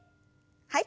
はい。